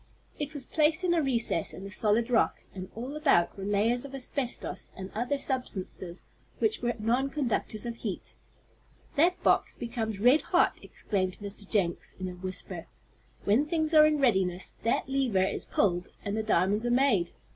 It was placed in a recess in the solid rock, and all about were layers of asbestos and other substances that were nonconductors of heat. "That box becomes red hot," exclaimed Mr. Jenks, in a whisper. "When things are in readiness, that lever is pulled and the diamonds are made.